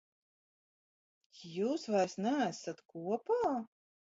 Jūs vairs neesat kopā?